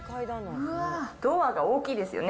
ドアが大きいですよね。